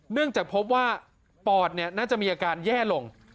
เนื่องจากพบว่าปอดน่าจะมีอาการแย่ลง